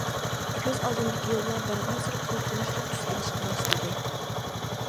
كۆز ئالدىمدىكى يوللار بارغانسېرى قورقۇنچلۇق تۈس ئېلىشقا باشلىدى.